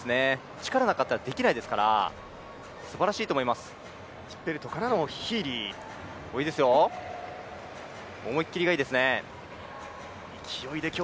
力なかったらできないですから、シュッペルトからのヒーリー。思い切りがいいですね。